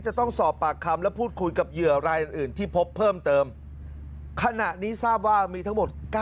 จะต้องสอบปากคำและพูดคุยกับเหยื่อรายอื่นที่พบเพิ่มเติมขณะนี้ทราบว่ามีทั้งหมด๙